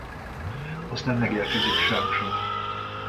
Aztán megérkezik Sámson.